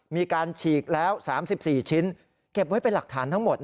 มีการฉีกแล้ว๓๔ชิ้นเก็บไว้เป็นหลักฐานทั้งหมด